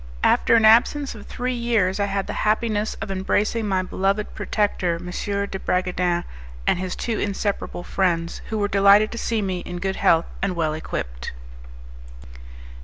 After an absence of three years I had the happiness of embracing my beloved protector, M. de Bragadin, and his two inseparable friends, who were delighted to see me in good health and well equipped.